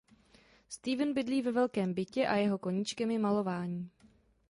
Stephen bydlí ve velkém bytě a jeho koníčkem je malování.